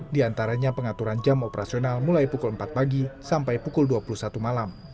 di antaranya pengaturan jam operasional mulai pukul empat pagi sampai pukul dua puluh satu malam